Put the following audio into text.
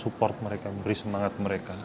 untuk mendukung mereka memberi semangat mereka